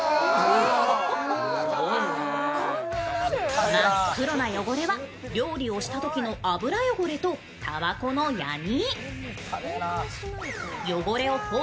この真っ黒な汚れは料理をしたときの油汚れとたばこのやに。